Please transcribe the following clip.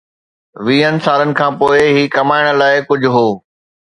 ويهن سالن کان پوء، هي ڪمائڻ لاء ڪجهه هو؟